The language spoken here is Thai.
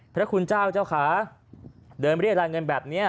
พระคุณเจ้าเจ้าขาเดินเรียกรายเงินแบบนี้